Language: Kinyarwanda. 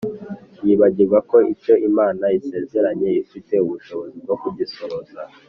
. Yibagirwa ko icyo Imana isezeranye, Ifite ubushobozi bwo kugisohoza